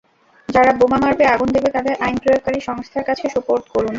যারা বোমা মারবে, আগুন দেবে, তাদের আইন প্রয়োগকারী সংস্থার কাছে সোপর্দ করুন।